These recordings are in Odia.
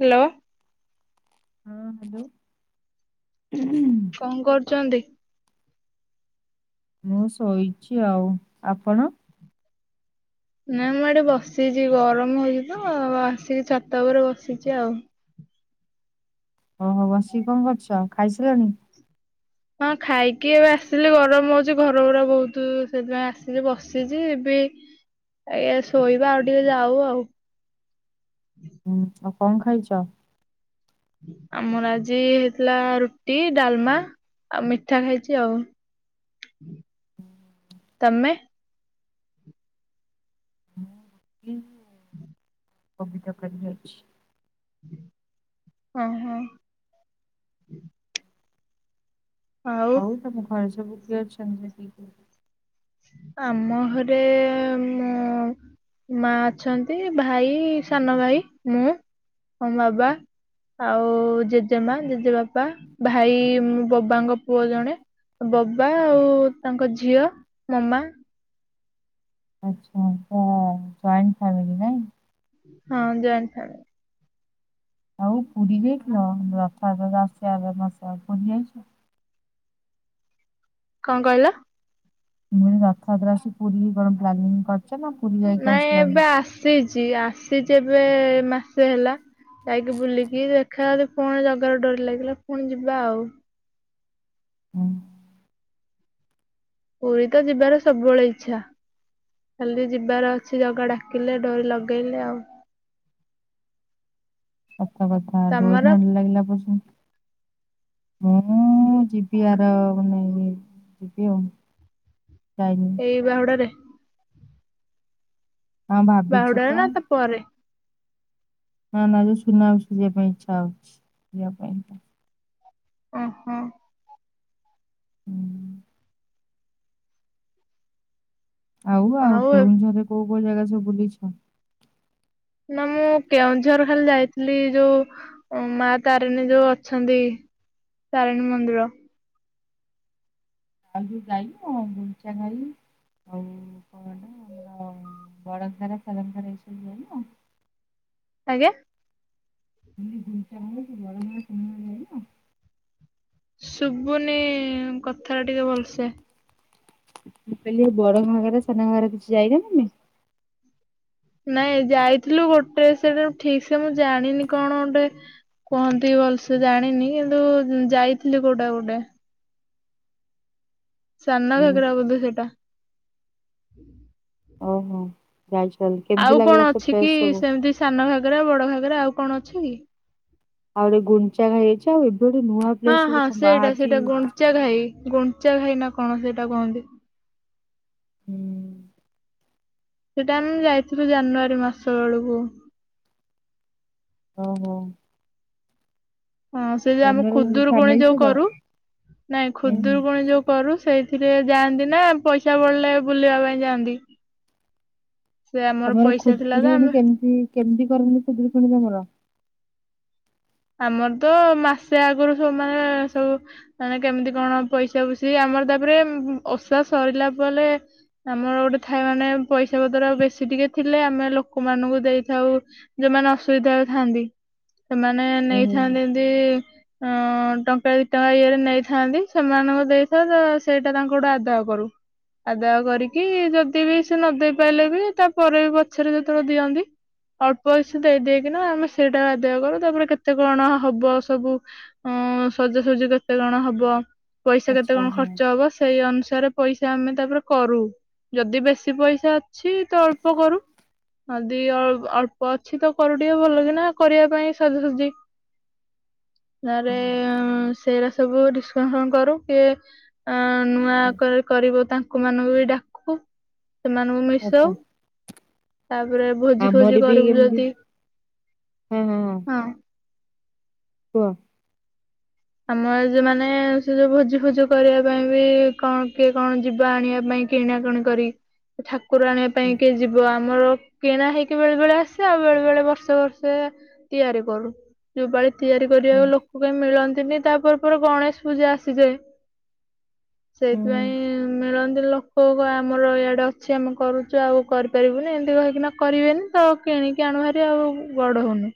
ହ୍ୟାଲୋ। ହଁ ହ୍ୟାଲୋ। କଣ କରୁଚନ୍ତି? ମୁଁ ଶୋଇଛି ଆଉ, ଆପଣ? ନାଇଁ ମୁଁ ଏଠି ବସିଛି, ଗରମ ହଉଛି ତ ଆଉ ଆସିକି ଛାତ ଉପରେ ବସିଛି ଆଉ। ଓହୋ, ବସିକି କଣ କରୁଛ ଖାଇସାଲଣି? ହଁ ଖାଇକି ଏବେ ଆସିଲି, ଗରମ ହଉଛି ଘର ପୁରା ବହୁତୁ ସେଥିପାଇଁ ଆସିଛି ବସିଛି ଏବେ ଆଜ୍ଞା ଶୋଇବା ଆଉ ଟିକେ ଯାଉ ଆଉ। ହୁଁ, ଆଉ କଣ ଖାଇଛ? ଆମର ଆଜି ହେଇଥିଲା ରୁଟି, ଡାଲମା ଆଉ ମିଠା ଖାଇଛି ଆଉ। ତୋମେ? ମୁଁ କବି ତରକାରୀ ହେଇଛି। ଓ ହୋ। ଆଉ ତୋମ ଘରେ ସବୁ କିଏ ଅଛନ୍ତି? [inaudible] ଆମ ଘରେ ମୋ ମା ଅଛନ୍ତି, ଭାଇ, ସାନ ଭାଇ ମୁଁ, ମୋ ବାବା। ଆଉ ଜେଜେମା, ଜେଜେବାପା, ଭାଇ ମୋ ବବାଙ୍କ ପୁଅ ଜଣେ। ଅ ବବା ଆଉ ତାଙ୍କ ଝିଅ ମମା ଆଛା ଙ୍କ ଜଏଣ୍ଟ ଫ୍ୟାମିଲି ନାଇଁ। ହଁ ଜଏଣ୍ଟ ଫ୍ୟାମିଲି। ଆଉ ପୁରୀ ଯାଇଥିଲ ରଥ [unintelligible] ଯାଇଛି। କଁ କହିଲ? ମୁଁ ଏଇ ରଥଯାତ୍ରା ଆସି ପୁରୀ କଣ ପ୍ଲାନିଂ କରିଚ ନା ପୁରୀ ଯାଇକି ଆସିଲାଣି? ଆସିଚି ଆସିଚି ଏବେ ମାସେ ହେଲା। ଯାଇକି ବୁଲିକି ଦେଖା ପୁଣି ଜଗାରେ ଡୋରି ଲାଗିଲା ପୁଣି ଯିବା ଆଉ। ହୁଁ। ପୁରୀ ତ ଯିବାର ସବୁବେଳେ ଇଛା। ଖାଲି ଯିବାର ଅଛି ଜଗା ଡାକିଲେ ଡୋରି ଲଗେଇଲେ ଆଉ। କଥା କଥା ତମର ଡୋରି ନଲାଗିଲା ପର୍ଯ୍ୟନ୍ତ ମୁଁ ଯିବି ଆର ମାନେ ଯିବି ଆଉ। କାଇମ୍ ଏଇ ବାହୁଡ଼ାରେ ହଁ ଭାବିଛି ବାହୁଡାରେ ତ ନା ତା ପରେ ନା ନା ଯୋଉ ସୁନାଉଚି ଯିବା ପାଇଁ ଇଛା ହଉଚି ଯିବା ପାଇଁ କି। ଓହୋ। ହୁଁ ଆଉ ଆଉ କେଉଁଝରେ କୋଉ କୋଉ ଜାଗା ସବୁ ବୁଲିଛ? ନା ମୁଁ କେଉଁଝର ଖାଲି ଯାଇଥିଲି ଯୋଉ ଓମ୍ ମା ତାରିଣୀ ଯୋଉ ଅଛନ୍ତି ତାରିଣୀ ମନ୍ଦିର। ଆଗୁ ଯାଇ ଗୁମଚା ଘାରି ଆଉ କଣ ଆମର ବଳଧାର ଫଲଧାର ଏଇସବୁ ହୁଏନା। ଆଜ୍ଞା [unintelligible] ଶୁବୁନି କଥା ଟା ଟିକେ ଭଲସେ। ମୁଁ କହିଲି ବଡ ଘାଘାର ସାନା ଘାଘାରେ କିଛି ଯାଇନ ତମେ? ନାଇଁ ଯାଇଥିଲୁ ଗୋଟେ ସେଟା ଠିକ ସେ ମୁଁ ଜାଣିନି କଣ ଗୋଟେ କୁହନ୍ତି ଭଲସେ ଜାଣିନି କିନ୍ତୁ ଯାଇଥିଲି କୋଉଟା ଗୋଟେ। ସାନ ହୁଁ। ଘାଗେରା ବୋଧେ ସେଟା। ଓହୋ ଯାଇଛ ତାହେଲେ କେମିତି ଆଉ ଲାଗିଲା କଣ ସେ ଅଛି ପ୍ଲେସ କି ସବୁ? ସେମିତି ସାନ ଘାଗେରା ବଡ ଘାଗେରା ଆଉ କଣ ଅଛି କି? ଆଉ ଗୋଟେ ଗୁଞ୍ଚା ହେଇଛି ଆଉ ଏବେ ଗୋଟେ ନୂଆ ହଁ ପ୍ଲେସ ହଁ ଗୋଟେ କଣ ସେଟା ବାହାରିଛି ସେଟା ଗୁନଞ୍ଚା ଘାଇ ଗୁନଞ୍ଚା ଘାଇ ନା କଣ ସେଇଟା କହନ୍ତି? ହୁଁ। ସେଟା ଆମେ ଯାଇଥିଲୁ ଜାନୁଆରୀ ମାସ ବେଳକୁ। ଓହୋ। ହଁ ସେ ଯେ ଆମେ ଖୁଦୁରୁ କୁଣି ଫ୍ୟାମିଲି ଯୋଉ ସହିତ? କରୁ ନାଇଁ ହୁଁ ହୁଁ ଖୁଦୁରୁକୁଣି ଯୋଉ କରୁ ସେଇଥିରେ ଯାଆନ୍ତି ନା ପଇସା ବଳିଲେ ବୁଲିବା ପାଇଁ ଯାଆନ୍ତି। ସେ ଆମର ତମର ପଇସା ଥିଲା ତ ଖୁଦୁରୁକୁଣୀ ଆମେ କେମିତି କେମିତି କରନ୍ତି ଖୁଦୁରୁକୁୁଣୀ ତମର? ଆମର ତ ମାସେ ଆଗୁରୁ ସବୁ ମାନେ ସବୁ ମାନେ କେମିତି କଣ ପଇସା ପୁସି ଆମର ତାପରେ ଓଷା ସରିଲା ପଲେ ଆମର ଗୋଟେ ଥାଇ ମାନେ ପଇସା ପତ୍ର ବେଶୀ ଟିକେ ଥିଲେ ଆମେ ଲୋକମାନଙ୍କୁ ଦେଇଥାଉ। ଯୋଉମାନେ ଅସୁବିଧାରେ ଥାନ୍ତି ସେମାନେ ହୁଁ ହୁଁ ନେଇଥାନ୍ତି ଏମତି ଅ ଟଙ୍କା ଦି ଟଙ୍କା ଇଏରେ ନେଇଥାନ୍ତି ସେମାନଙ୍କୁ ଦେଇଥାଉ ତ ସେଟା ତାଙ୍କୁଠୁ ଆଦାୟ କରୁ। ଆଦାୟ କରିକି ଯଦି ବି ସେ ନ ଦେଇ ପାରଲେ ବି ତାପରେ ବି ପଛରେ ଯେତେବେଳେ ଦିଅନ୍ତି ଅଳ୍ପ ଅଇସ ଦେଇଦକିନା ଆମେ ସେଇଟା ଆଦାୟ କରୁ ତାପରେ କେତେ କଣ ହବ ସବୁ ଅ ସଜାସଜି କେତେ କଣ ହବ। ପଇସା କେତେ ଆଚ୍ଛା କଣ ହଁ ଖର୍ଚ୍ଚ ହବ ସେଇ ଅନୁସାରେ ପଇସା ଆମେ ତାପରେ କରୁ। ଯଦି ବେଶୀ ପଇସା ଅଛି ତ ଅଳ୍ପ କରୁ। ଜଦି ଅ ଅଳ୍ପ ଅଛି ତ କରୁ ଟିକେ ଭଲ କିନା କରିବା ପାଇଁ ନାରେ ସେ ରା ସବୁ ଡିସକସନ୍ କରୁ କିଏ ନୂଆ ହଁ କରି କରିବ ତାଙ୍କୁ ମାନଙ୍କୁ ବି ଡାକୁ। ସେମାନଙ୍କୁ ମିଶାଉ ଆଚ୍ଛା ତାପରେ ଭୋଜି ଫୋଜି ଆମର କରିବୁ ଯଦି ହୋ ହୋ ହୋ ହଁ କୁହ? ଆମର ଯଉ ମାନେ ସେ ଯୋଉ ଭୋଜି ଫୋଜି କରିବା ପାଇଁ ବି କଣ କିଏ କଣ ଯିବା ଆଣିବା ପାଇଁ। କିଣାକିଣି କରି ଠାକୁର ଆଣିବା ହୁଁ ପାଇଁ କି ଯି ଆମର କିଣା ହେଇକି ବେଳେ ବେଳେ ଆସେ ଆଉ ବେଳେ ବେଳେ ବର୍ଷେ ବର୍ଷେ ତିଆରି କରୁ ଯୋପାଳି ତିଆରି କରିବାକୁ ଲୋକ କାହିଁ ମିଳ ଦିନି ତାପରେ ପରେ ଗଣେଶ ପୂଜା ଆସିଯାଏ। ହୁଁ ସେଇଥିପାଇଁ ମିଳନ୍ତି ଲୋ କଉ କଉ ଆମର ଇଆଡେ ଅଛି ଆମେ କରୁଛୁ ଆଉ କରିପାରିବୁନି ଏମିତି କହିକିନା କରିବେନି ତ କିଣିକି ଆଣୁ ଭାରି ଆଉ ଗଡହୁନୁ।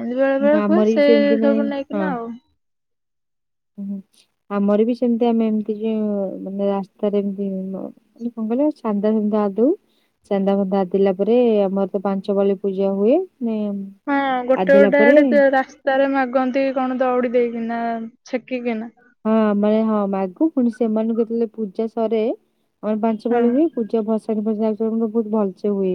ଏମିତି ବେଳେ ହୁଁ ବେଳେ ହୁଏ ଆମର ବି ସେ ସେମିତି ମାନେ ସବୁ ନେଇକିନା ହଁ ଆଉ। ହୁଁ ଆମର ବି ସେମିତି ଆମେ ଏମତି ଯଉ ମାନେ ରାସ୍ତାରେ ଏମତି ନ କଣ କହିଲ ସାଧା ସାଧା ଆଦୌ ଚାନ୍ଦା ଫାନ୍ଦା ଦେଲା ପରେ ଆମର ତ ପାଞ୍ଚପାଳି ପୂଜା ହୁଏ ନେମ୍ ହଁ ଗୋଟେ ଗୋଟେ ଆଡେ ରା ତାରେ ମାଗନ୍ତି କଣ ଦଉଡି ଦେଇକିନା ଛେକିକିନା। ହଁ ମାନେ ହଁ ମାଗୁ ପୁଣି ସେମାନଙ୍କୁ ଯେତେବେଳେ ପୂଜା ସରେ ଆମର ପାଞ୍ଚ ହଁ ପାଳି ହୁଏ। ପୂଜା ଭସାଣି ଫସାଣି [unintelligible] ବହୁତ ଭଲସେ ହୁଏ।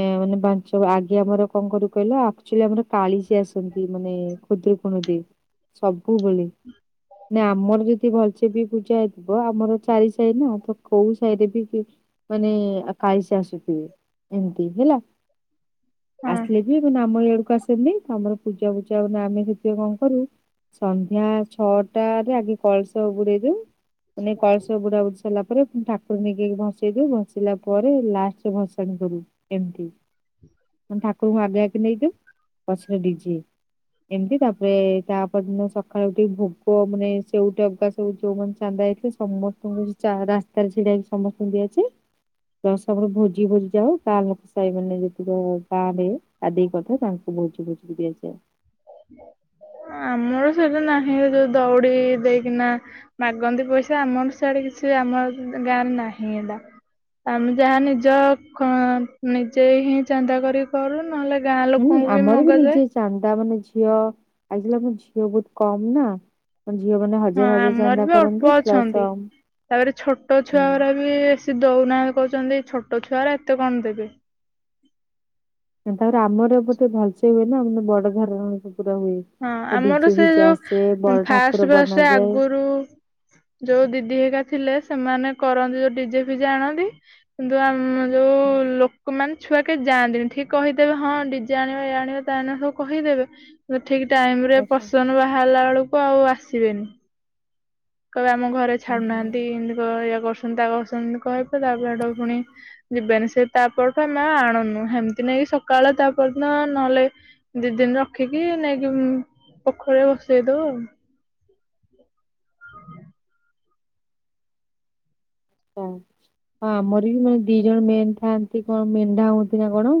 ଏ ମାନେ ବାଞ୍ଚ ଆଗେ ଆମର କଣ କରୁ କହିଲ ଆକଚୁଲି ଆମର କାଳିଶୀ ଆସନ୍ତି ମାନେ କୁଦ୍ରକୁଣି ବି ସବୁବେଳେ। ନା ଆମର ଯଦି ଭଲସେ ବି ପୂଜା ହେଇଥିବ ଆମର ଚାରି ସାହି ନା ତ କୋଉ ସାହିରେ ବି ମାନେ କାଳିସି ଆସୁଥିବେ ଏମିତି ହେଲା। ହଁ ଆସିଲେ ବି ଆମ ଗାଡ଼ିକୁ ଇ ସେମି ତମର ପୂଜା ଫୁଜା ଆମେ ସେଥିପାଇଁ କଣ କରୁ ସନ୍ଧ୍ୟା ଛଅଟାରେ ଆଗେ କଳସ ବୁଡେଇଦେଉ ମାନେ କଳସ ବୁଡା ସୁଚିତ। ସାରା ପରେ ଠାକୁର ନେଇକି ଭସେଇ ଦବୁ ଭସିଲା ପରେ ଲାଷ୍ଟରେ ଭସାଣି କରୁ। ଏମିତି ମାନେ ଠାକୁରଙ୍କୁ ଆଗେଇ ଆକି ନେଇଦଉ ପଛରେ ଡିଜେ। ଏମିତି ତାପରେ ତା ପରଦିନ ସଖାଳକୁ ଭୋଗ ମାନେ ସେଉଠି ଅଗ ସ ଯୋଉମାନେ ଚାନ୍ଦା ହେଇଥିଲେ ସମସ୍ତଙ୍କୁ ରାହାରା। ସ୍ତାରେ ଯାଇ ସମସ୍ତଙ୍କୁ ଦିଆ ଅଛି। ଦଶମର ଭୋଜି ଭୋଜି ଯାଏ ତା ଲୋକ ସାଇ ମାନେ ଯେତିକ ପାଡେ ଆଦେଇ କଥା ତାଙ୍କୁ ଭୋଜି କରିକି ଦିଆଯାଏ। ଆମର ସେଇଟା ନାହିଁ ଯୋଉ ଦଉଡି ଦେଇକିନା ମାଗନ୍ତି ପଇସା ଆମର ସିଆଡେ କିଛି ବି ଆମର ଗାଁ ରେ ନାହିଁ ଏଇଟା। ଆମେ ଯାହା ନିଜ କ ନିଜେ ହିଁ ଚାନ୍ଦା କରି କରୁ ନହେଲେ ଗାଁ ହୁଁ ଲୋକଙ୍କୁ ବି ଆମର ମଗାଯାଏ। ନିଜେ ଚାନ୍ଦା ମାନେ ଝିଅ ଆଇଥିଲି ମୁ ଝିଅ ବହୁତ୍ କମ୍ ନା ମାନେ ଝିଅ ମାନେ ହା ହଁ ଆମରବି ଅଳ୍ପ ଅଛନ୍ତି ତାପରେ ଛୋଟ ଛୁଆଅରା ବି ସିଏ ଦଉନାହାଁ କହୁଚନ୍ତି ଛୋଟ ଛୁଆରା ଏତେ କଣ ଦେବେ। ତାପରେ ଆମର ବୋତେ ଭଲସେ ହୁଏନା ମାନେ ବଡ ଧରଣରେ ପୁରା ହୁଏ। ହଁ ଡିଜେ ଆମର ଫିଜେ ଆସେ ସେଯୋଉ ବଡ ଠାକୁର ଫାଷ୍ଟେ ଫାଷ୍ଟେ ବନାଯାଏ। ଆଗରୁ ଯୋଉ ଦିଦି ହେକା ଥିଲେ ସେମାନେ କରନ୍ତି ଯୋଉ ଡିଜେ ଫିଜେ ଆଣନ୍ତି କିନ୍ତୁ ଆମ ଯୋଉ ଲୋକମାନେ ଛୁଆ କେହି ଯାଆନ୍ତିନି ଠିକ୍ କହିଦେବେ ହଁ ଡିଜେ ଆଣିବା ଇଏ ଆଣିବା ତାନା ସବୁ କହିଦେବେ ଠିକ୍ ଟାଇମରେ ଆଚ୍ଛା। ପସନ୍ ବାହାରିଲା ବେଳକୁ ଆଉ ଆସିବେନି। କହିବେ ଆମ ଘରେ ହୁଁ ହୁଁ ଛାଡ଼ୁନାହାନ୍ତି ଏମିତି କଇଁବ ଇଏ କରୁଚନ୍ତି ତା କରୁଛନ୍ତି କହିବେ ତାପରେ ଏଟାକୁ ଫୁଣି ଯିବେନି ସେ ତାପରଠୁ ଆମେ ଆଉ ଆଣୁନୁ ସେମିତି ନାଇକି ସକାଳ ତାପରଦିନ ନହେଲେ ଦି ଦିନି ରଖିକି ନେଇକି ପୋଖରୀରେ ବସେଇ ଦଉ ଆଉ। ହଁ ହଁ ଆମରବି ମାନେ ଦି ଜଣ ମେନ୍ ଥାନ୍ତି କଣ ମେଣ୍ଢା ହୁଅନ୍ତିନା କଣ?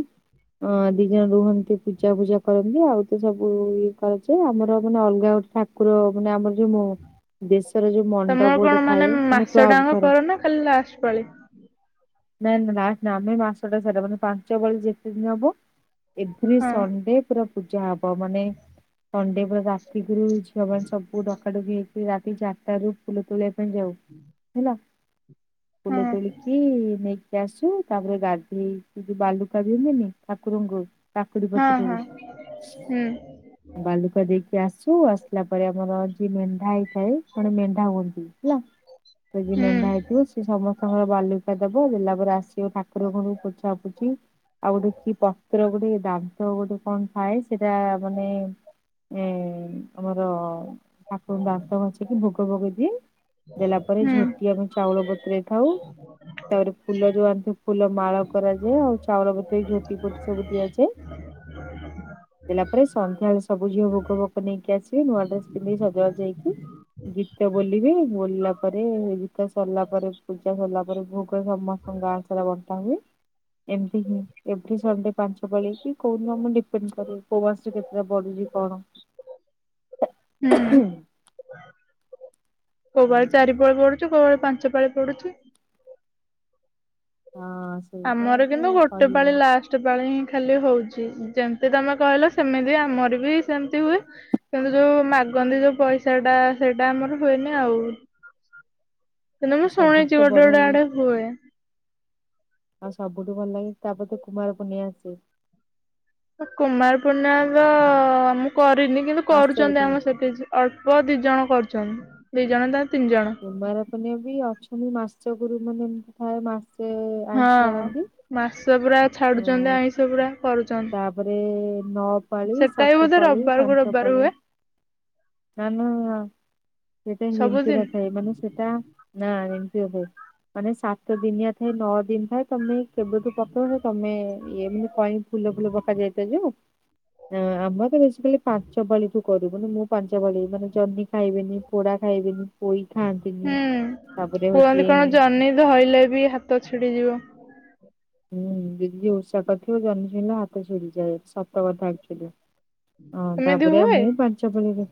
ଅଁ ଦି ଜଣ ରୁହନ୍ତି ପୂଜା ଫୂଜା କରନ୍ତି ଆଉତ ସବୁ ଇଏ କରାଯାଏ ଆମର ମାନେ ଅଲଗା ଗୋଟେ ଠା ଠାକୁର ମାନେ ଆମର ଯୋଉ ଦେଶର ଯୋଉ ତମର ମଣ୍ଡପ କଣ ଗୋଟେ ଥାଏ ମାନେ କ୍ଲବ୍ ମାସଟାଙ୍କ ଘର କର ନା ଖାଲି ଲାଷ୍ଟେ ପାଳି। ନାଇଁ ନା ଲାଷ୍ଟେନା ଆମେ ମାସଟା ସାରା ମାନେ ପାଞ୍ଚଟ ପାଳି ଯେତେ ଦିନ ହବ ଏପ୍ରିଲ୍ ହଁ ସଣ୍ଡେ ପୁରା ପୂଜା ହବ ମାନେ ସଣ୍ଡେ ପୁରା ରା ରାତିକିରୁ ଝିଅ ମାନ ସବୁ ଡକା ଡକି ହେଇକି ରାତି ଚାରିଟାରୁ ଫୁଲ ତୋଳିବା ପାଇଁ ଯାଉ [inaudible] ହେଲା ହଁ ଫୁଲତୋଳିକି ନେଇକି ଆସୁ ତାପରେ ଗାଧେଇ ଯୋଉ ବାଲୁକା ଦିଅନ୍ତିନି ଠାକୁରଙ୍କୁ କାକୁଡ଼ି ହଁ ହଁ ପତ୍ରରେ ହୁଁ ବାଲୁକା ଦେଇକି ଆସୁ ଆସିଲା ପରେ ଆମର ଯିଏ ମେଣ୍ଢା ହେଇ ଥାଏ ପୁଣି ମେଣ୍ଢା ହୁଅନ୍ତି ହେଲା ତଯିଏ ହୁଁ ମେଣ୍ଢା ହେଇଥିବ ସିଏ ସମସ୍ତଙ୍କର ବାଲୁକା ଦବ ଦେଲା ପରେ ଆସିବ ଠାକୁରଙ୍କଣଙ୍କୁ ପୋଛା ପୁଛିି ଆଉ ଗୋଟେ କି ପତ୍ର ଗୋଟେ ଦାନ୍ତ ଗୋଟେ କଣ ଥାଏ ସେଟା ମାନେ ଏ ଆମର ଠାକୁରଙ୍କୁ ଦାନ୍ତ ଘସିକି ଭୋଗ ଫୋଗେଦିଏ ଦେଲା ପରେ ହୁଁ ଝୋଟି ଆମେ ଚାଉଳ ବତରେଇ ଥାଉ। ତାପରେ ଫୁଲ ଯୋଉ ଆଣିଥିବ ଫୁଲ ମାଳ କରାଯାଏ ଆଉ ଚାଉଳ ଭେଦେଇ ଝୋଟି ଫୋଟି ସବୁ ଦିଆଯାଏ। [inaudible] ଦେଲା ପରେ ସଧ୍ୟାବେଳେ ସବୁ ଝିଅ ଭୋଗ ଫୋଗ ନେଇକି ଆସିବେ ନୂଆ ଡ୍ରେସ୍ ପିନ୍ଧିକି ସଜବାଜ ହେଇକି ଗୀତ ବୋଲିବେ ବୋଲିଲା ପରେ ଗୀତ ସରିଲା ପରେ ପୂଜା ସରିଲା ପରେ ଭୋଗ ପୁରା ସମସ୍ତଙ୍କ ଗାଁସାରା ବଣ୍ଟା ହୁଏ ଏମିତିହିଁ ଏଭ୍ରି ସେଣ୍ଡେ ପାଞ୍ଚ ପଳିକି କୋଉଦିନ ମୁଁ ଡିପେଣ୍ଡ କରେ କୋମାସରେ କେତେଟା ବଢ଼ୁଚି କଣ ହୁଁ। ହଁ କୋଉପାଳି ଚାରି ପାଳି ପଡୁଚି କୋଉପାଳି ପାଞ୍ଚ ପାଳି ପଡ଼ୁଚି। ହଁ। ଆମର କିନ୍ତୁ ଗୋଟେ ପାଳି ଲାଷ୍ଟ ଗୋଟେ ପାଳିହିଁ ଖାଲି ହଉଚି ଯେମିତି ତମେ କହିଲ ସେମିତି ଆମରବି ସେମିତି ହୁଏ। କିନ୍ତୁ ଯୋଉ ମାଗନ୍ତିି ଯୋଉ ପଇସାଟା ସେଇଟା ଆମର ହୁଏନି ଆଉ। କିନ୍ତୁ ମୁଁ ସବୁଠୁ ଶୁଣିଚି ତ ଗୋଟେ ବଢିଆ ଗୋଟେ ଆଡ଼େ ହୁଏ। ଆଉ ସବୁଠୁ ଭଲ ଲାଗେ ତାପରେତ କୁମାରପୂର୍ଣ୍ଣିମା ଆସେ। କୁମାର ପୂର୍ଣ୍ଣିମାତ ମୁଁ କରିନି କିନ୍ତୁ ମାସେ କରୁଚନ୍ତି ବୋଧେ ଆମ ସେଠି ଅଳ୍ପ ଦି ଜଣ କରୁଚନ୍ତି ଦିଇ ଜଣନା ତିନି ଜଣ। କୁମାର ପର୍ଣ୍ଣିମା ବି ଅଛନ୍ତି ମାସ ଗୁରୁ ମାନେ ଏମିତି ଥାଏ ମାସେ ଆଇଁଷ ଛାଡ଼ନ୍ତି। ମାସେ ପୁରା ଛାଡ଼ୁଛନ୍ତି ଆଇଁଷ ପୁରା କରୁଛନ୍ ତାପରେ ନଅ ପାଳି ସାତ ବୋଧେ ପାାଳି ରବିବାରକୁ ରବିବାର ପାଞ୍ଚପାଳି ହୁଏ ନା ନା ସେଟା ଏମିତି ସବୁଦିନ ନଥାଏ ମାନେ ସେଟା ନା ଏମିତି ହ [inaudible] ମାନେ ସାତ ଦିନିଆ ଥାଏ ନଅ ଦିନ ଥାଏ ତମେ କେବେଠୁ ପକଉନ ତମେ ଇଏ ମାନେ କ ଫୁଲ ଫୁଲ ପକା ଯାଏ ତ ଯୋଉ। ଆମର ତ ବେଶୀକାଲି ପାଞ୍ଚପାଳିଠୁ କରିବୁନି ମୁଁ ପାଞ୍ଚ ପାଳି ମାନେ ଜହ୍ନି ଖାଇବନି। ପୋଡା ଖାଇବିନି। ହୁଁ ହଉଛି କୁହନ୍ତି କଣ ଜହ୍ନି ଧଇଲେ ବି ହାତ ଛିଡିଯିବ। ହୁଁ ଦିଦି ଯି ଓଷା କରିଥିବ ଜହ୍ନି ଧଇଲେ ହାତ ଛିଡିଯାଏ ସତ କଥା ଏକ୍ଟୁଆଲୀ। ହଁ ଏମିତି ତାପରେ ହୁଏ? ମୁଁ ପା ଲିରେ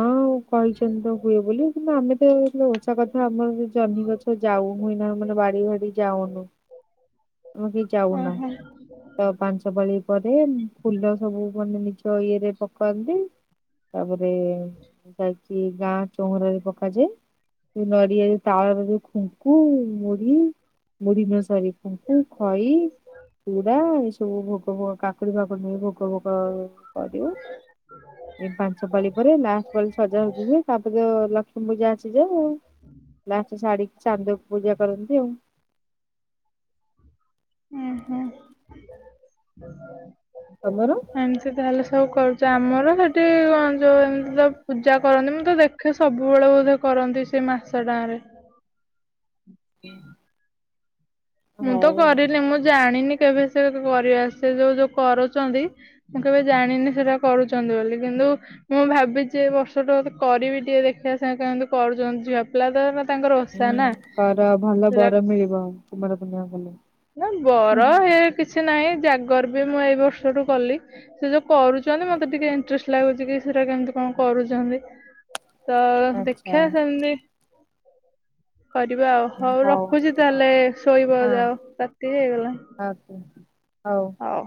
ହଁ କହିଛନ୍ତି ତ ହୁଏ ବୋଲି କିନ୍ତୁ ଆମେ ତ ଓଷା କଥା ଆମର ଜହ୍ନି ଗଛ ଯାଉ ହୁଇଁ ନା ମାନେ ବାଡି ବାଡି ଯାଉନୁ। ତମେ କି ଯାଉନ ଓହୋ ତ ପାଞ୍ଚ ପାଳି ପରେ ଫୁଲ ସବୁ ମାନେ ନିଜ ଇଏରେ ପକାନ୍ତି। ତାପରେ ଯାଇକି ଗାଁ ଚଉରାରେ ପକାଯାଏ। ନଡିଆ ଯ ତାଳରେ ଯୋଉ ଖୁଙ୍କୁ ମୁଢି ମୁଢି ନୁହ ସରି ତୁ ଖଇ। ଚୁଡା ଏ ସବୁ ଭୋଗ ଭୋଗ କାକୁଡି଼ ଫାକୁଡି ନେଇ ଭୋଗ ଭୋଗ କରିବେ। [inaudible] ଏଇ ପାଞ୍ଚ ପାଳି ପରେ ଲାଷ୍ଟ ପାଳି ସଯା ସାଜି ହୁଏ ତାପରେ ତ ଲକ୍ଷ୍ମୀ ପୂଜା ଆସି ଯାଏ ଆଉ। ଲାଷ୍ଟ ଶାଢିକି ଚାନ୍ଦକୁ ପୂଜା କରନ୍ତି ଆଉ। ହୁଁ ହୁଁ ତମର ଏମିତି ତାହେଲେ ସବୁ କରୁଛ ଆମର ସେଠି କଣ ଯୋଉ ଏମିତି ତ ପୂଜା କରନ୍ତି ମୁଁ ତ ଦେଖ କ୍ଷ ସବୁବେଳେ ବୋଧେ କରନ୍ତି ସେ ମାସ ଟାଁ ରେ। ମୁଁ ହଉ ତ ଆଉ କରିନି ମୁଁ ଜାଣିନି କେବେ ସେ କରିବା ସେ ଯୋଉ ଯୋଉ କରୁଛନ୍ତି। ମୁଁ କେବେ ଜାଣିନି ସେଟା କରୁଛନ୍ତି ବୋଲି କିନ୍ତୁ। ମୁଁ ଭାବିଛି ଏ ବର୍ଷ ଟାେ କରିବି ଟିକେ ଦେଖିବା ସାଙ୍ଗ କମିତି କରୁଛନ୍ତି ଝିଅ ପିଲା ତ। ତାଙ୍କର ଓଷା ହୁଁ ନା କର ଭଲ ବର ସେଟା ମିଳିବ କୁମାର ପୂର୍ଣ୍ଣିମା କଲେ। ନା ହୁଁ ବର ହୁଁ। ହେ କିଛି ନାହିଁ ଜାଗର ବି ମୁଁ ଏଇ ବର୍ଷଠୁ କଲି। ସେ ଯୋଉ କରୁଛନ୍ତି ମତେ ଟିକେ ଇଣ୍ଟରେଷ୍ଟ ଲାଗୁଛି କି ସେଟା କେମିତି କଣ କରୁଛନ୍ତି ତ ଆଚ୍ଛା ଦେଖିବା ସେମତି। କରିବା ଆଉ ହଉ ରଖୁଛି ତାହେଲେ ଶୋଇବ ଯାଅ ରାତିି ହେଇଗଲା ନି। ଆଜ୍ଞା ହଉ। ହଉ